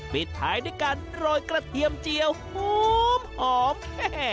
ปิดท้ายด้วยการโรยกระเทียมเจียวหอมแม่